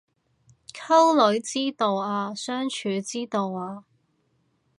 溝女之道啊相處之道啊